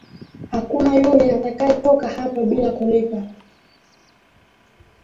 Hakuna yule atakayetoka hapa bila kulipa.